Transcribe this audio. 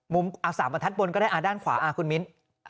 มุมตรง๓บันทัศน์บนก็ได้ด้านขวาคุณมิ้น